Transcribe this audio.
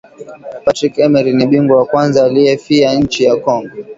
Patrice Emerie ni bingwa wa kwanza aliya fiya inchi ya kongo